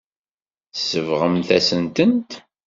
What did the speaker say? Tsebɣemt-asent-tent.